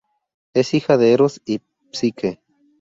Es hija de Eros y Psique.